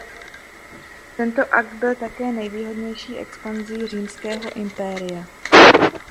Tento akt byl také nejvýchodnější expanzí římského impéria.